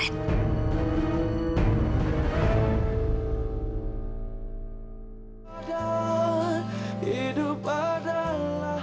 hidup padalah hidup padalah